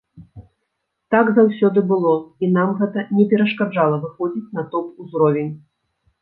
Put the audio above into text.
Так заўсёды было, і нам гэта не перашкаджала выходзіць на топ-узровень.